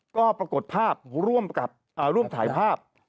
ก็ปรากฏภาพร่วมถ่ายภาพ